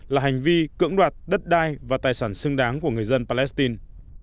là hành vi cưỡng đoạt đất đai và tài sản xứng đáng của người dân palestine